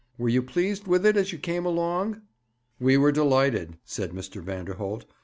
Were you pleased with it as you came along?' 'We were delighted,' said Mr. Vanderholt.